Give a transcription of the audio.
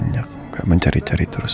nganya gak mencari cari terus